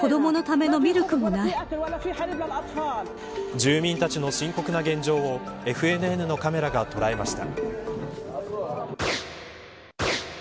住民たちの深刻な現状をＦＮＮのカメラが捉えました。